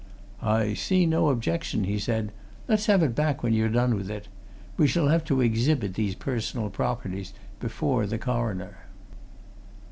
"I see no objection," he said. "Let's have it back when you've done with it. We shall have to exhibit these personal properties before the coroner."